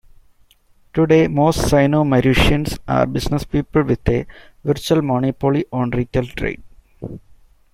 Today, most Sino-Mauritians are businesspeople, with a "virtual monopoly" on retail trade.